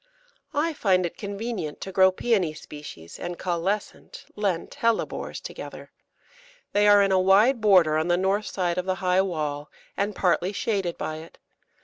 I find it convenient to grow Pæony species and Caulescent (Lent) Hellebores together. They are in a wide border on the north side of the high wall and partly shaded by it.